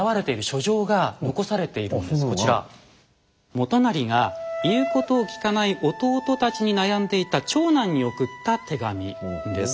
元就が言うことを聞かない弟たちに悩んでいた長男に送った手紙です。